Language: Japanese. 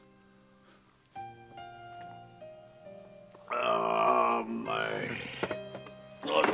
あぁうまい！